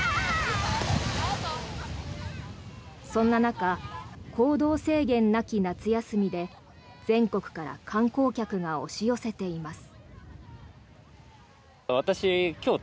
そんな中、行動制限なき夏休みで全国から観光客が押し寄せています。